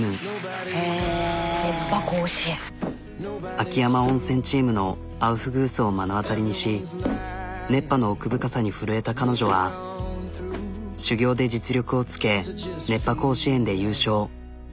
秋山温泉チームのアウフグースを目の当たりにし熱波の奥深さに震えた彼女は修業で実力をつけ「熱波甲子園」で優勝。